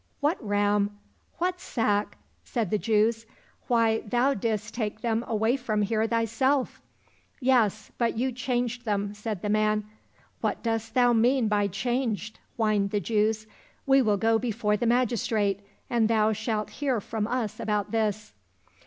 —" What ram ? What sack ?" said the Jews ;" why, thou didst take them away from here thyself." —" Yes, but you changed them," said the man. —" What dost thou mean by changed ?" whined the Jews ; "we will go before the magistrate, and thou shalt hear from us about this."